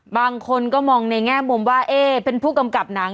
บางคนก็มองในแง่มุมว่าเป็นผู้กำกับหนัง